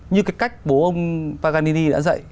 như cái cách bố ông paganini đã dạy